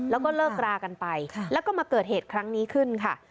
แล้วก็เลิกรากันไปแล้วก็มาเกิดเหตุครั้งนี้ขึ้นค่ะ